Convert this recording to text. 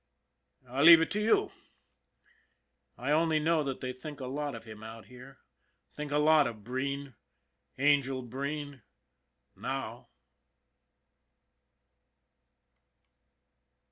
" I leave it to you. I only know that they think a lot of him out here, think a lot of Breen, " Angel " Breen now.